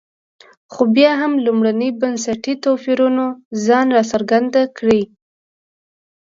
خو بیا هم لومړني بنسټي توپیرونو ځان راڅرګند کړ.